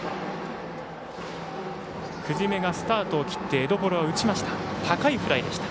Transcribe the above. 久次米がスタートを切ってエドポロは打ちました。